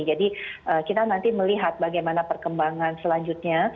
jadi kita nanti melihat bagaimana perkembangan selanjutnya